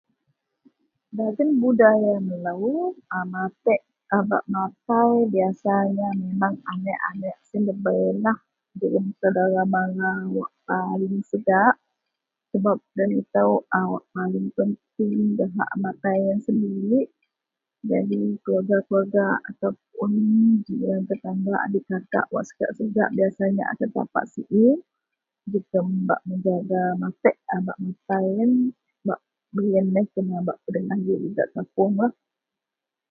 Dagen budaya melo a matek a bak matai biyasanya neng anek-anek siyen debei lah jegem saudara mara wak paling segak sebab loyen tuneh a paling penting jahak a matai iyen sendirik jadi keluarga-keluarga atau puon jiran tetangga a dikakak wak segak-segak biyasanya tapak siew jegem bak mejaga beh iyen neh kena bak pedengah ji gak a kapoung.